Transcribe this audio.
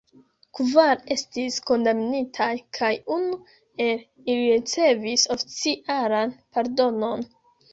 Kvar estis kondamnitaj, kaj unu el ili ricevis oficialan pardonon.